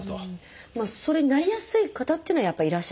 それになりやすい方っていうのはやっぱりいらっしゃるんですか？